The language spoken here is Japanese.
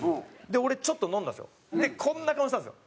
俺ちょっと飲んだんですよ。でこんな顔したんですよ。